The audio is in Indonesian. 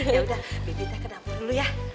yaudah bibi dah ke dapur dulu ya